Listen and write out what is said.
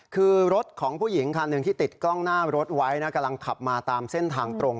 คือรถของผู้หญิงคันหนึ่งที่ติดกล้องหน้ารถไว้นะกำลังขับมาตามเส้นทางตรง